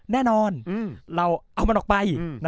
แน่นอนเราเอามันออกไป